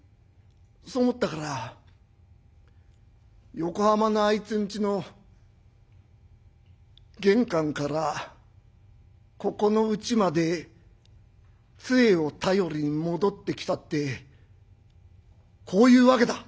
そう思ったから横浜のあいつんちの玄関からここのうちまでつえを頼りに戻ってきたってこういうわけだ」。